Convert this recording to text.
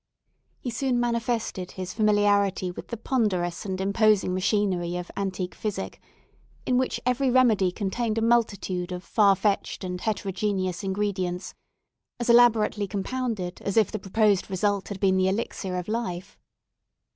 He soon manifested his familiarity with the ponderous and imposing machinery of antique physic; in which every remedy contained a multitude of far fetched and heterogeneous ingredients, as elaborately compounded as if the proposed result had been the Elixir of Life.